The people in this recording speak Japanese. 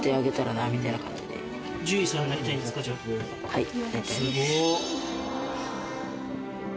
はい。